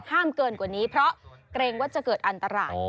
เกินกว่านี้เพราะเกรงว่าจะเกิดอันตราย